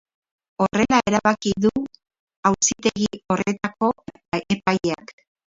Horrela erabaki du auzitegi horretako epaileak.